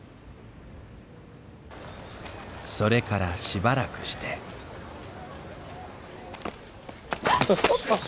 それからしばらくしてあっ！